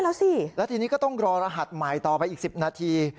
แล้วสิแล้วทีนี้ก็ต้องรอรหัสใหม่ต่อไปอีก๑๐นาที